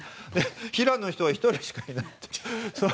平の人は１人しかいない。